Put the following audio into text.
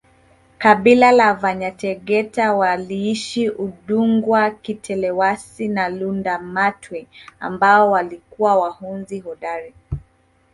kabila la Vanyategeta waliishi udzungwa kitelewasi na Lundamatwe ambao walikuwa wahunzi hodari